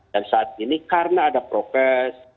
dan saat ini karena ada proses